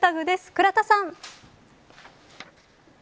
倉田さん。